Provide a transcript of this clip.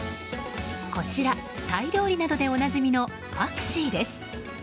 こちらタイ料理などでおなじみのパクチーです。